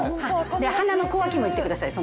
鼻の小脇もいってください